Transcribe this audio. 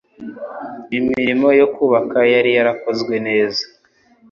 Imirimo yo kubaka yari yarakozwe neza